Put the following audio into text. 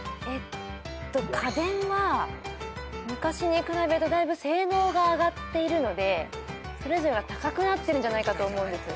家電は昔に比べるとだいぶ性能が上がっているので高くなってるんじゃないかと思うんです。